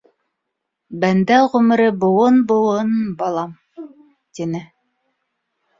Бәндә ғүмере быуын-быуын, балам, - тине.